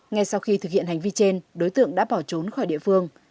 ngay sau khi thực hiện hành vi trên đối tượng đã bỏ trốn khỏi địa phương